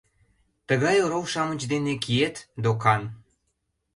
— Тыгай орол-шамыч дене киет, докан!